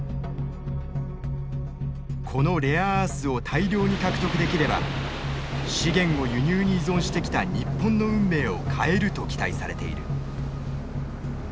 このレアアースを大量に獲得できれば資源を輸入に依存してきた日本の運命を変えると期待されている。